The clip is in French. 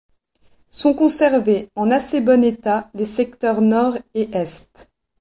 Sont conservés en assez bon état les secteurs nord et est.